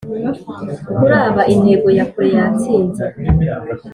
kuri aba intego ya kure yatsinze